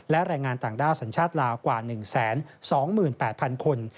และแรงงานต่างด้าวสัญชาติลาวกว่า๑๒๘๐๐๐คน